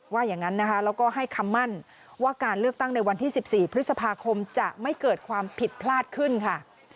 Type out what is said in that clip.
อย่างนั้นนะคะแล้วก็ให้คำมั่นว่าการเลือกตั้งในวันที่๑๔พฤษภาคมจะไม่เกิดความผิดพลาดขึ้นค่ะ